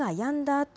あと